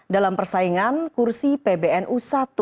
dalam persaingan kursi pbnu satu